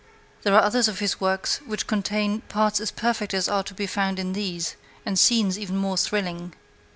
There are others of his works which contain parts as perfect as are to be found in these, and scenes even more thrilling.